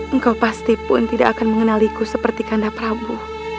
engkau pasti pun tidak akan mengenaliku seperti kanda prabu